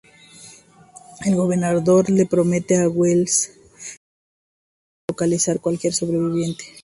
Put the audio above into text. El Gobernador le promete a Welles que enviará hombres para localizar a cualquier sobreviviente.